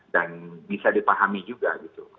dan bisa dipahami juga gitu